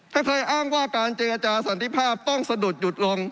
ถ้าเคยอ้างว่าการเจอกับอาจารย์สอนที่ภาพต้องสะดุดหยุดอ่ง